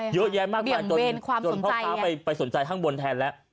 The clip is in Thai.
เยอะแยะมากมายจนพ่อค้าไปสนใจข้างบนแทนแล้ว